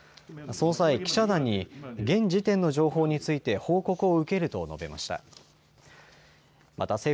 その際、記者団に現時点の情報について報告を受けると述べました。